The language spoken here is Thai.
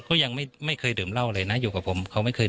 ก็ยังไม่เคยดื่มเหล้าเลยนะอยู่กับผมเขาไม่เคย